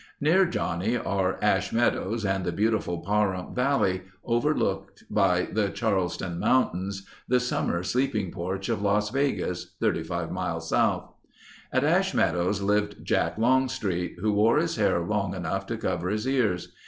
Near Johnnie are Ash Meadows and the beautiful Pahrump Valley, overlooked by the Charleston Mountains—the summer sleeping porch of Las Vegas, 35 miles south. At Ash Meadows lived Jack Longstreet, who wore his hair long enough to cover his ears.